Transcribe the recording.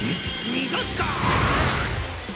逃がすか！